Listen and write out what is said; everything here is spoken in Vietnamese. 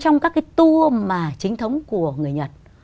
trong các cái tour mà chính thống của người nhật